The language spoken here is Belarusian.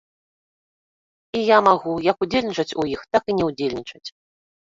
І я магу як удзельнічаць у іх, так і не ўдзельнічаць.